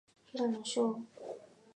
平野紫耀